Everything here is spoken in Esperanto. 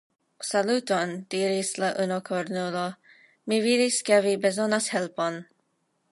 Saluton, diris la unukornulo, mi vidis ke vi bezonas helpon.